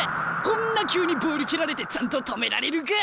こんな急にボール蹴られてちゃんと止められるか！